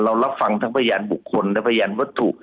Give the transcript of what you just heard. รับฟังทั้งพยานบุคคลและพยานวัตถุ